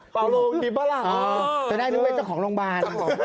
เปาโลดิบาร่า